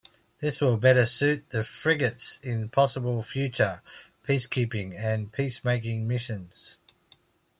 This will better suit the frigates in possible future peacekeeping and peacemaking missions.